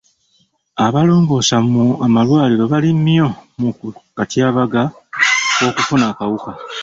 Abalongoosa mu amalwariro bali mmyo mu katyabaga k'okufuna akawuka.